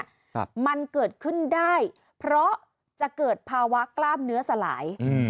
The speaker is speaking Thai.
ครับมันเกิดขึ้นได้เพราะจะเกิดภาวะกล้ามเนื้อสลายอืม